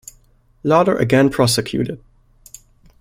Lauder again prosecuted.